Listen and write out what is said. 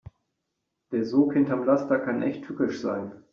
Der Sog hinterm Laster kann echt tückisch sein.